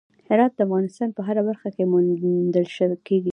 هرات د افغانستان په هره برخه کې موندل کېږي.